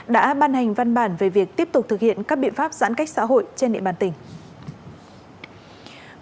đã ban hành văn bản về việc tiếp tục thực hiện các biện pháp giãn cách xã hội trên địa bàn tỉnh